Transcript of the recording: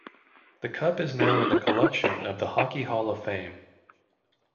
The Cup is now in the collection of the Hockey Hall of Fame.